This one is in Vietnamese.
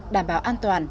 đảm bảo an toàn